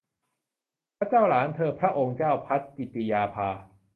พระเจ้าหลานเธอพระองค์เจ้าพัชรกิติยาภา